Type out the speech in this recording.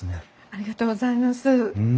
ありがとうございます。